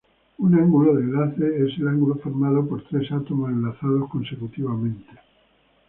Un ángulo de enlace es el ángulo formado por tres átomos enlazados consecutivamente.